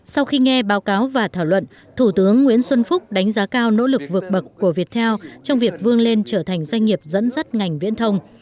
sau khi nghe báo cáo và thảo luận thủ tướng nguyễn xuân phúc đánh giá cao nỗ lực vượt bậc của việt theo trong việc vương lên trở thành doanh nghiệp dẫn dắt ngành viễn thông